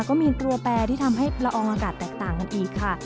ก็มีตัวแปรที่ทำให้ละอองอากาศแตกต่างกันอีกค่ะ